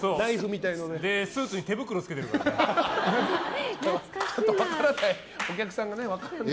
スーツに手袋を着けてるからね。